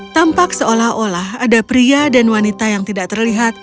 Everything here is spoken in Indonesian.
tampak seolah olah ada pria dan wanita yang tidak terlihat